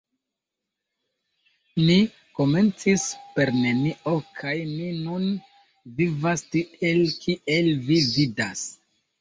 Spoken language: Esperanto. Ni komencis per nenio, kaj ni nun vivas tiel, kiel vi vidas.